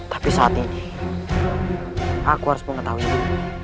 tapi saat ini aku harus mengetahuinya